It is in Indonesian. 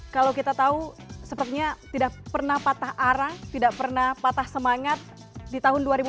kalau kita tahu sepertinya tidak pernah patah arang tidak pernah patah semangat di tahun dua ribu empat belas